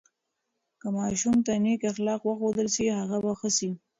که ماشوم ته نیک اخلاق وښودل سي، هغه به ښه سي.